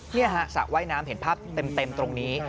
นี่ฮะสระว่ายน้ำเห็นภาพเต็มตรงนี้